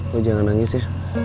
lu jangan nangis ya